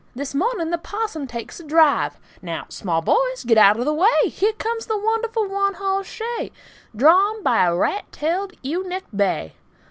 This morning the parson takes a drive. Now, small boys, get out of the way! Here comes the wonderful one hoss shay, Drawn by a rat tailed, ewe necked bay.